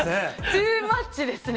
トゥー・マッチですね。